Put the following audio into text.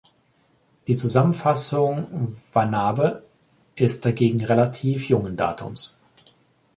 Die Zusammenfassung "wannabe" ist dagegen relativ jungen Datums.